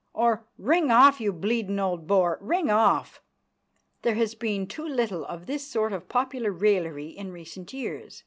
or "Ring off, you bleedin' old bore, ring off!" There has been too little of this sort of popular raillery in recent years.